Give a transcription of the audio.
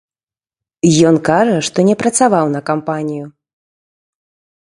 Ён кажа, што не працаваў на кампанію.